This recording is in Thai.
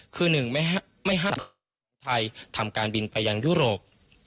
คือ๑ไม่ห้าทางการบินของไทยทำการบินไปยังยุโรป